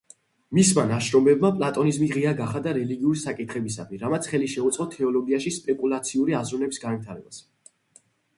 მისმა ნაშრომებმა პლატონიზმი ღია გახადა რელიგიური საკითხებისადმი, რამაც ხელი შეუწყო თეოლოგიაში სპეკულაციური აზროვნების განვითარებას.